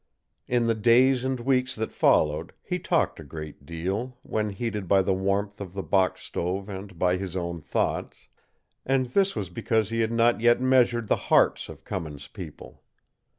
In the days and weeks that followed, he talked a great deal, when heated by the warmth of the box stove and by his own thoughts; and this was because he had not yet measured the hearts of Cummins' people.